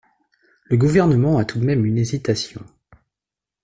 Le Gouvernement a tout de même une hésitation.